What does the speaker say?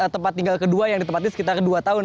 tempat tinggal kedua yang ditempati sekitar dua tahun